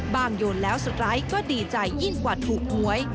บ้างโยนแล้วสุดไร้ก็ดีใจอิ่มกว่าถูกมวย